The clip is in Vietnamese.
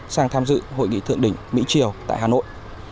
sang tham dự hội nghị thượng đỉnh mỹ triều tại hà nội